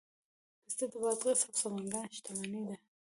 پسته د بادغیس او سمنګان شتمني ده.